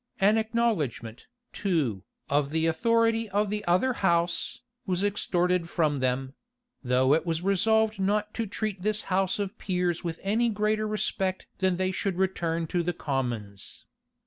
An acknowledgment, too, of the authority of the other house, was extorted from them; though it was resolved not to treat this house of peers with any greater respect than they should return to the commons.